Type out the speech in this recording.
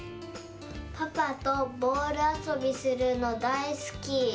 パパとボールあそびするのだいすき！